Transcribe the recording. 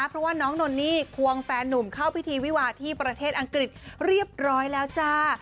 เพราะว่าน้องนนนี่ควงแฟนนุ่มเข้าพิธีวิวาที่ประเทศอังกฤษเรียบร้อยแล้วจ้า